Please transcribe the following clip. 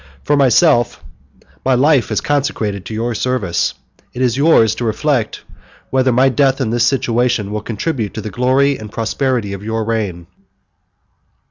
For myself, my life is consecrated to your service: it is yours to reflect, whether my death in this situation will contribute to the glory and prosperity of your reign."